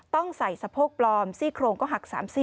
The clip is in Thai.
ต้องใส่สะโพกปลอมซี่โครงก็หัก๓ซี่